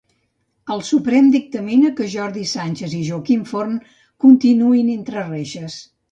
El Suprem dictamina que Jordi Sànchez i Joaquim Forn continuïn entre reixes.